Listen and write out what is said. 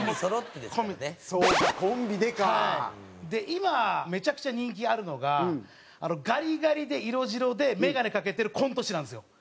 今めちゃくちゃ人気あるのがガリガリで色白で眼鏡かけてるコント師なんですよ。